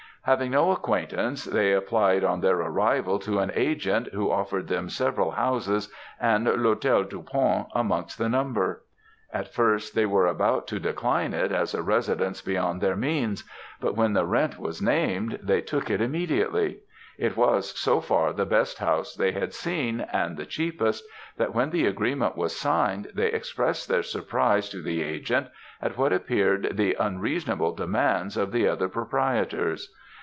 "Having no acquaintance, they applied on their arrival to an agent, who offered them several houses and L'Hôtel du Pont amongst the number. At first they were about to decline it as a residence beyond their means; but when the rent was named, they took it immediately. It was so far the best house they had seen, and the cheapest, that when the agreement was signed, they expressed their surprise to the agent, at what appeared the unreasonable demands of the other proprietors.